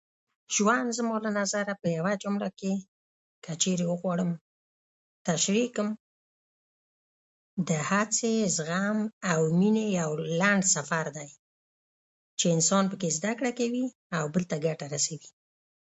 ژوند زما له نظره په یوه جمله کې که چېرې و غواړم تشریح کړم د هر څیز زغم او مینې یو لنډ سفر دی چې انسان پکې زده کړه کوي او بل ته ګټه رسوي